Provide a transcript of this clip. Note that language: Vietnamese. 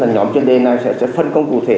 nhóm chuyên đề này sẽ phân công cụ thể